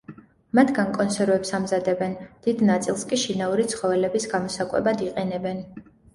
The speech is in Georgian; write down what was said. მათგან კონსერვებს ამზადებენ, დიდ ნაწილს კი შინაური ცხოველების გამოსაკვებად იყენებენ.